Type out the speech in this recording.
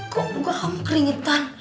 kok gue hampir keringetan